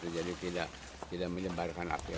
jadi tidak menyebar